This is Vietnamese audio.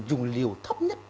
dùng liều thấp nhất